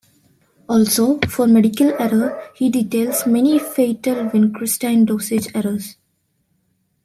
Also, for medical error, he details many fatal vincristine dosage errors.